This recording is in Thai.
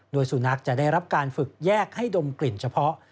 โดยสุนัขจะได้รับการฝึกแยกให้ดมกลิ่นเฉพาะ